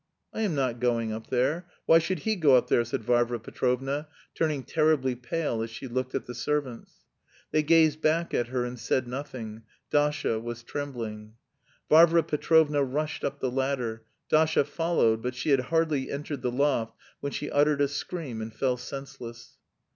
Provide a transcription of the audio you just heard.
"I am not going up there. Why should he go up there?" said Varvara Petrovna, turning terribly pale as she looked at the servants. They gazed back at her and said nothing. Dasha was trembling. Varvara Petrovna rushed up the ladder; Dasha followed, but she had hardly entered the loft when she uttered a scream and fell senseless.